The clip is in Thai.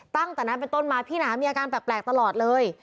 ตั้งแต่นั้นเป็นต้นมาพี่หนามีอาการแปลกตลอดเลย